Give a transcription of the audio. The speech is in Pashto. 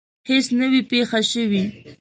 هیڅ نه وي پېښه شوې.